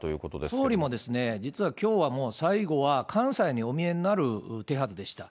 総理も実はきょうは最後は関西にお見えになる手はずでした。